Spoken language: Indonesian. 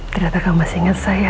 ternyata kamu masih ingat saya